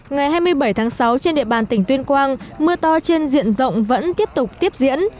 ngày hai mươi bảy tháng sáu trên địa bàn tỉnh tuyên quang mưa to trên diện rộng vẫn tiếp tục tiếp diễn